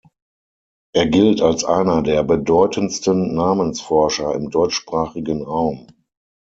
Er gilt als einer der bedeutendsten Namenforscher im deutschsprachigen Raum.